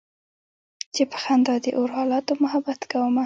چې په خندا د اور حالاتو محبت کومه